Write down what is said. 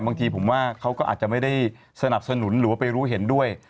บางทีผมว่าเขาก็อาจจะไม่ได้สนับสนุนหรือว่าไปรู้เห็นด้วย